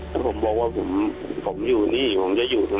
แล้วผมบอกว่าผมอยู่นี่ผมต้องจะอยู่ตรงนี้